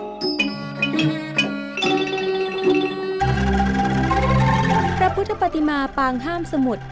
สังคมวันนี้ียงยอมโรคเวคทรีย์พระพุทธปฏิมาห์ป่างห้ามสมุทร